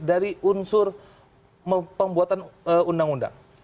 dari unsur pembuatan undang undang